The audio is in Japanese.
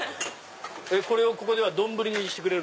これをここでは丼にしてくれるんですか？